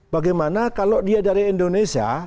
bagaimana kalau dia dari indonesia